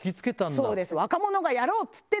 そうです。